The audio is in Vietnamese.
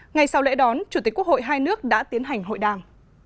ngày sau lễ đón chủ tịch quốc hội hai nước đã tiến hành hội đàm